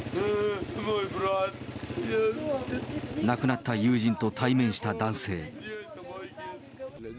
亡くなった友人と対面した男性。